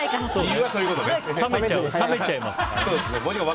冷めちゃいますからね。